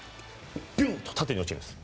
ビュンッと縦に落ちるんです。